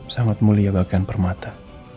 sangat mulia bagian permata